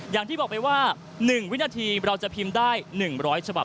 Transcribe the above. อย่างที่บอกไปว่า๑วินาทีเราจะพิมพ์ได้๑๐๐ฉบับ